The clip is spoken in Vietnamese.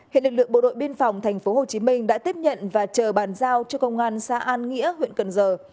hiện lực lượng bộ đội biên phòng tp hcm đã tiếp nhận và chờ bàn giao cho công an xã an nghĩa huyện cần giờ